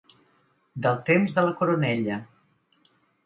Del temps de la coronella.